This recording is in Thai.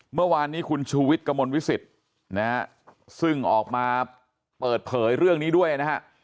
เมื่อวานนี้คุณชูวิทย์กระมวลวิสิตนะฮะซึ่งออกมาเปิดเผยเรื่องนี้ด้วยนะฮะ